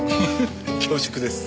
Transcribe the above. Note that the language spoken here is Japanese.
恐縮です。